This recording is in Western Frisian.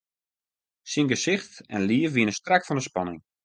Syn gesicht en liif wiene strak fan 'e spanning.